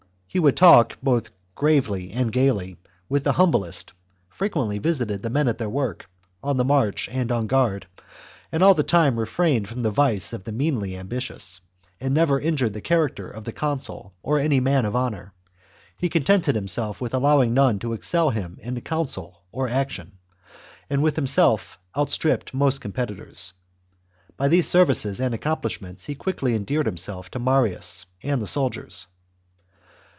He would talk, both gravely and gaily, with the humblest, frequently visited the men at their work, on the march, and on guard, and all the time refrained from the vice of the meanly ambitious, and never injured the character of the consul or any man of honour ; he contented himself with allowing none to excel him in counsel or action, and with himself out stripping most competitors. By these services and accomplishments he quickly endeared himself to Marius and the soldiers.